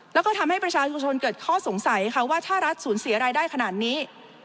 แล้วก็ทำให้ประชาชนเกิดข้อสงสัยค่ะว่าถ้ารัฐสูญเสียรายได้ขนาดนี้